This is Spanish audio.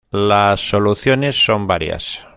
Las soluciones son varias.